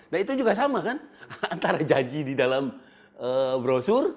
nah itu juga sama kan antara janji di dalam brosur